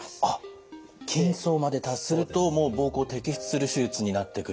筋層まで達するともう膀胱摘出する手術になってくると。